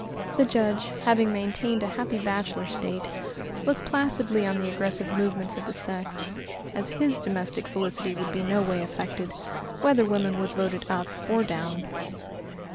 The Judge, having maintained a happy bachelor state, looked placidly on the aggressive movements of the sex, as his domestic felicity would be no way affected, whether woman was voted up or down.